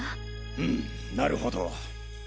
うんなるほど。